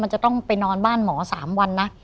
มันจะต้องไปนอนบ้านหมอ๓วันนะ